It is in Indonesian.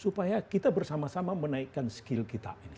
supaya kita bersama sama menaikkan skill kita ini